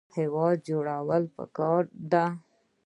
هیواد جوړول پکار دي